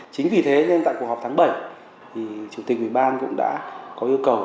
chính vì thế nên tại cuộc họp tháng bảy thì chủ tịch uban cũng đã có yêu cầu